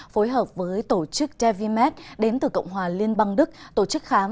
phối hợp với tổ chức dvmed đến từ cộng hòa liên bang đức tổ chức khám